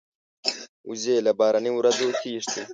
وزې له باراني ورځو تښتي